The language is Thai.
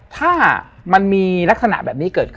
เพื่อที่จะให้แก้วเนี่ยหลอกลวงเค